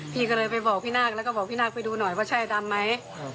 พี่ก็เลยไปบอกพี่นาคแล้วก็บอกพี่นาคไปดูหน่อยว่าใช่ดำไหม